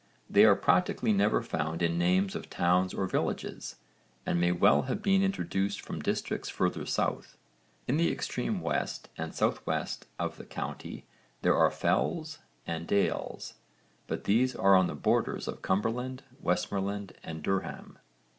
They are practically never found in names of towns or villages, and may well have been introduced from districts further south. In the extreme west and south west of the county there are 'fells' and 'dales' but these are on the borders of Cumberland, Westmorland and Durham.